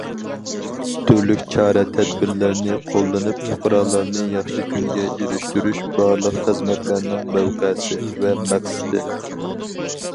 تۈرلۈك چارە- تەدبىرلەرنى قوللىنىپ پۇقرالارنى ياخشى كۈنگە ئېرىشتۈرۈش بارلىق خىزمەتلەرنىڭ مەۋقەسى ۋە مەقسىتى.